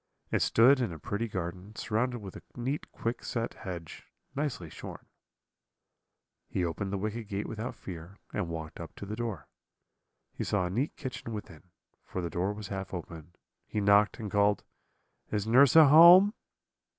It stood in a pretty garden, surrounded with a neat quickset hedge, nicely shorn. "He opened the wicket gate without fear, and walked up to the door. He saw a neat kitchen within, for the door was half open; he knocked, and called, 'Is nurse at home?'